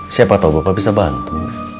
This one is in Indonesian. siapa tahu bapak bisa bantu